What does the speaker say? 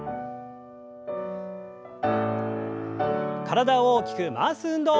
体を大きく回す運動。